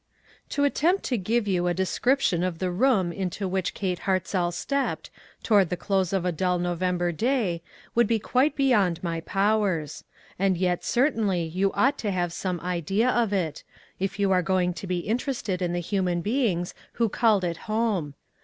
TO attempt to give you a description of the room into which Kate Hartzell stepped, toward the close of a dull Novem ber day, would be quite beyond my powers. And yet certainly you ought to have some idea of it, if you are going to be inter ested in the human beings who called it home.